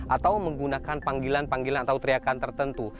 atau menggunakan panggilan panggilan atau teriakan tertentu